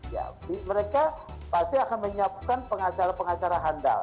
ya mereka pasti akan menyiapkan pengacara pengacara handal